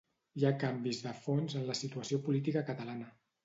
Hi ha canvis de fons en la situació política catalana.